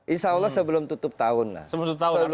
insya allah sebelum tutup tahun lah